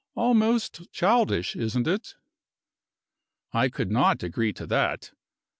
"Almost childish, isn't it?" I could not agree to that.